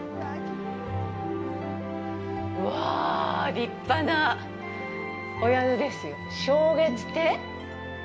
うわ、立派なお宿ですよ。